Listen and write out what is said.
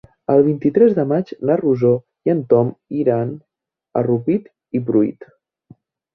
El vint-i-tres de maig na Rosó i en Tom iran a Rupit i Pruit.